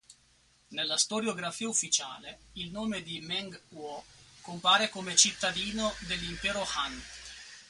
Nella storiografia ufficiale, il nome di Meng Huo compare come cittadino dell'impero Han.